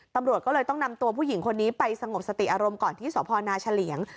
ตำรวจก็เลยต้องนำตัวผู้หญิงคนนี้ไปสงบสติอารมณ์ก่อนที่สพนาเฉลี่ยง